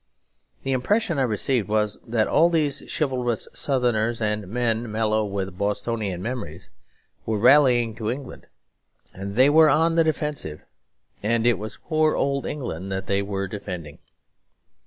The impression I received was that all these chivalrous Southerners and men mellow with Bostonian memories were rallying to England. They were on the defensive; and it was poor old England that they were defending.